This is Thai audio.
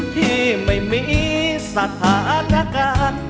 ที่ไม่มีสถานการณ์